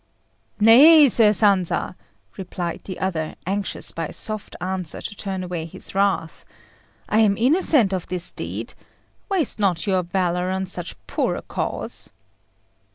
"Nay, Sir Sanza," replied the other, anxious by a soft answer to turn away his wrath; "I am innocent of this deed. Waste not your valour on so poor a cause."